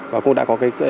và cũng đã có cái kết quả